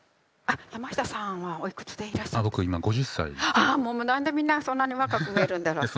ああもう何でみんなそんなに若く見えるんだろうすごい。